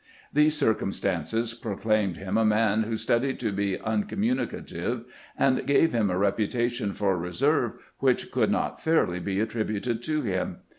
These circumstances proclaimed him a man who studied to be uncommunicative, and gave him a reputation for reserve which could not fairly be attrib uted to him.